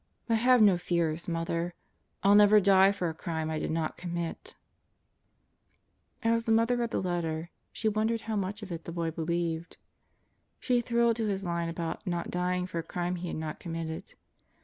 But have no fears, Mother; I'll never die for a crime I did not commit 1 As the mother read the letter, she wondered how much of it the boy believed. She thrilled to his line about not dying for a crime he had not committed.